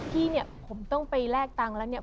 พี่เนี่ยผมต้องไปแลกตังค์แล้วเนี่ย